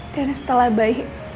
dan setelah bayi